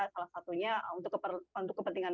salah satunya untuk kepentingan